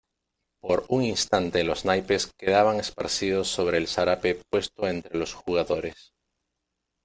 por un instante los naipes quedaban esparcidos sobre el zarape puesto entre los jugadores.